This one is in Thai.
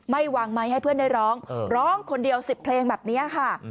วางไมค์ให้เพื่อนได้ร้องร้องคนเดียว๑๐เพลงแบบนี้ค่ะ